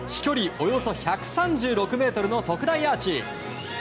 およそ１３６ｍの特大アーチ。